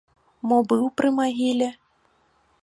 Мо быў пры магіле?